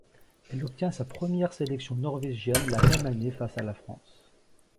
Elle obtient sa première sélection norvégienne la même année face à la France.